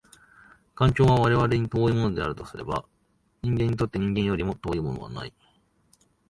環境は我々に遠いものであるとすれば、人間にとって人間よりも遠いものはない。